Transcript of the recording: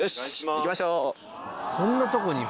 行きましょう。